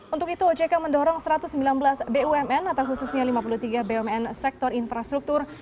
untuk itu ojk mendorong satu ratus sembilan belas bumn atau khususnya lima puluh tiga bumn sektor infrastruktur